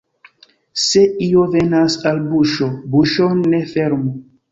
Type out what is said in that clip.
Se io venas al buŝo, buŝon ne fermu.